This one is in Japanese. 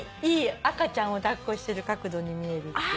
赤ちゃんを抱っこしてる角度に見えるっていう。